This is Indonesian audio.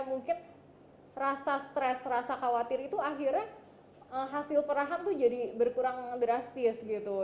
mungkin rasa stres rasa khawatir itu akhirnya hasil perahan tuh jadi berkurang drastis gitu